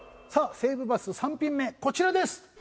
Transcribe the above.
西武バス３品目こちらです！